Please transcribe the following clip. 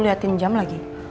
liatin jam lagi